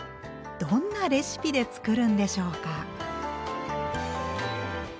どんなレシピで作るんでしょうか？